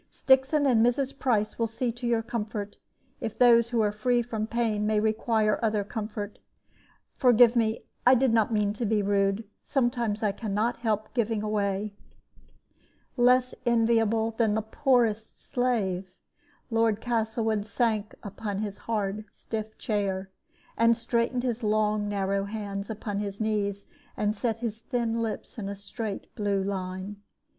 Stixon and Mrs. Price will see to your comfort, if those who are free from pain require any other comfort. Forgive me; I did not mean to be rude. Sometimes I can not help giving way." Less enviable than the poorest slave, Lord Castlewood sank upon his hard stiff chair, and straightened his long narrow hands upon his knees, and set his thin lips in straight blue lines.